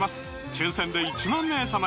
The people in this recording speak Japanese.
抽選で１万名様に！